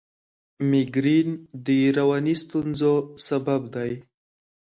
مېګرین د رواني ستونزو سبب دی.